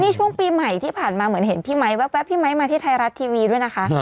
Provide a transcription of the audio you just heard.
ช่วงปีใหม่ที่ผ่านมาเหมือนเห็นพี่ไมค์แป๊บพี่ไมค์มาที่ไทยรัฐทีวีด้วยนะคะ